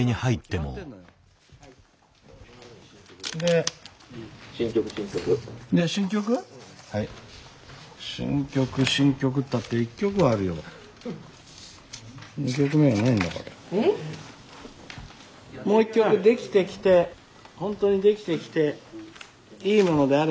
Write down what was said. もう一曲できてきて本当にできてきていいものであれば強引にさし込む。